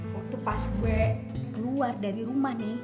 waktu pas gue keluar dari rumah nih